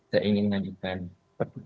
saya ingin menanyakan pertanyaan